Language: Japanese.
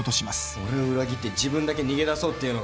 俺を裏切って自分だけ逃げ出そうってのか。